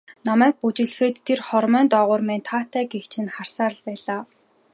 Намайг бүжиглэхэд тэр хормой доогуур минь таатай гэгч нь харсаар л байлаа.